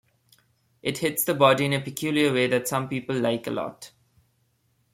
It hits the body in a peculiar way that some people like a lot.